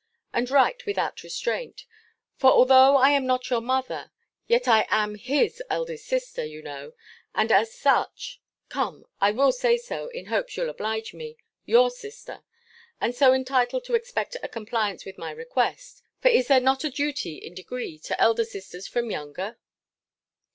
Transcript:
And write without restraint; for although I am not your mother, yet am I his eldest sister, you know, and as such Come, I will say so, in hopes you'll oblige me your sister, and so entitled to expect a compliance with my request: for is there not a duty, in degree, to elder sisters from younger?